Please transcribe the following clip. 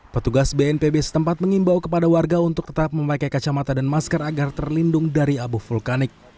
petugas bnpb setempat mengimbau kepada warga untuk tetap memakai kacamata dan masker agar terlindung dari abu vulkanik